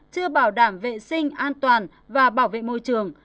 chưa bảo đảm vệ sinh an toàn và bảo vệ môi trường